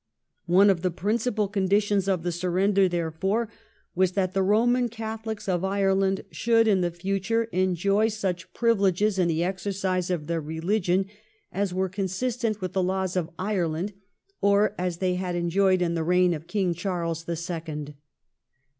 One of the principal condi tions of the surrender, therefore, was that the Koman Cathohcs of Ireland should, in the future, enjoy such privileges in the exercise of their religion as were consistent with the laws of Ireland or as they had enjoyed in the reign of King Charles the Second.